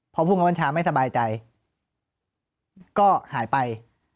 พอผู้บัญชาไม่สบายใจก็หายไป